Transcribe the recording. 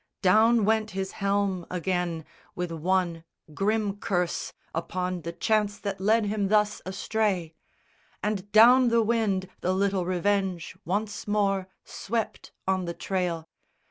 Down went his helm again, with one grim curse Upon the chance that led him thus astray; And down the wind the little Revenge once more Swept on the trail.